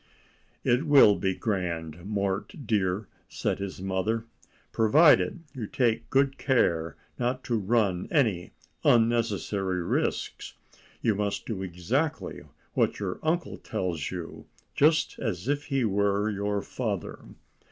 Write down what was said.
"It will be grand, Mort dear," said his mother, "provided you take good care not to run any unnecessary risks. You must do exactly what your uncle tells you, just as if he were your father."